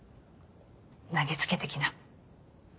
投げつけてきな。